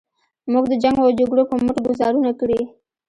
موږ د جنګ و جګړو په مټ ګوزارونه کړي.